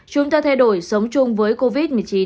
chúng ta thay đổi sống chung với covid một mươi chín